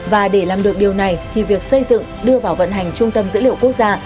và để làm được điều này thì việc xây dựng đưa vào vận hành trung tâm dữ liệu quốc gia